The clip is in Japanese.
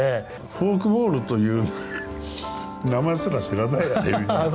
フォークボールという名前すら知らない。